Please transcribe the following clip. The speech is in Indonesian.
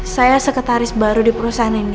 saya sekretaris baru di perusahaan ini